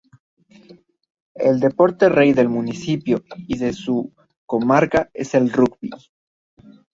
El deporte rey del municipio y de su comarca es el rugby.